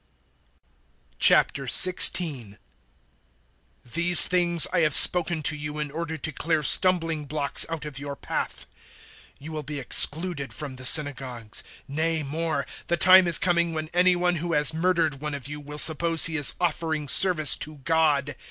016:001 "These things I have spoken to you in order to clear stumbling blocks out of your path. 016:002 You will be excluded from the synagogues; nay more, the time is coming when any one who has murdered one of you will suppose he is offering service to God.